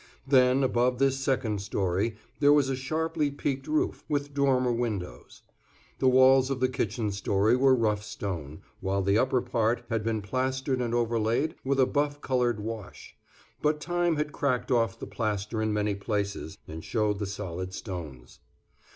Then, above this second story, there was a sharply peaked roof, with dormer windows. The walls of the kitchen story were rough stone, while the upper part had been plastered and overlaid with a buff colored wash; but time had cracked off the plaster in many places, and showed the solid stones.